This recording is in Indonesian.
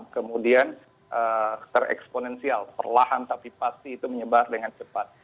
kemudian tereksponensial perlahan tapi pasti itu menyebar dengan cepat